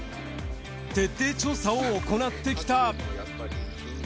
徹底調査を行ってきた。